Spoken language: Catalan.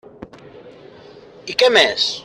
I què més!